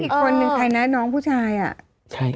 อีกคนนึงใครนะน้องผู้ชายอ่ะ